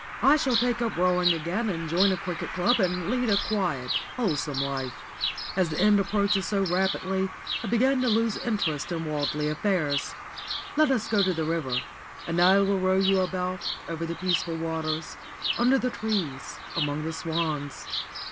I shall take up rowing again and join a cricket club, and lead a quiet, wholesome life. As the end approaches so rapidly, I begin to lose interest in worldly affairs. Let us go to the river, and I will row you about, over the peaceful waters, under the trees, among the swans.